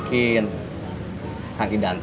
charlie saya begitu seperti